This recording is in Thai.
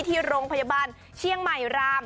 ที่โรงพยาบาลเชียงใหม่ราม